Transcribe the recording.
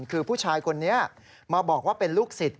คือผู้ชายคนนี้มาบอกว่าเป็นลูกศิษย